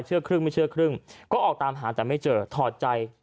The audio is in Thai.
ครึ่งไม่เชื่อครึ่งก็ออกตามหาแต่ไม่เจอถอดใจ